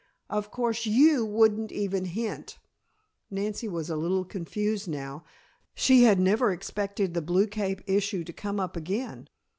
Of course, you wouldn't even hint " Nancy was a little confused now. She had never expected the blue cape issue to come up again.